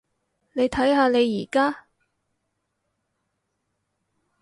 你睇下你而家？